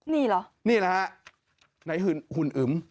นี่เหรอนี่เหรอครับไหนหุ่นอึ๋ม